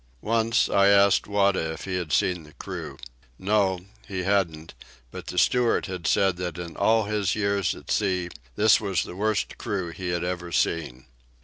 Once, I asked Wada if he had seen the crew. No, he hadn't, but the steward had said that in all his years at sea this was the worst crew he had ever seen.